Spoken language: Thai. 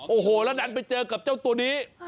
โอ้โหแล้วดันไปเจอกับเจ้าตัวนี้